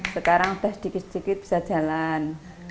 sekarang udah dikit dikit bisa jalan